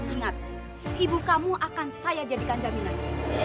ingat ibu kamu akan saya jadikan jaminan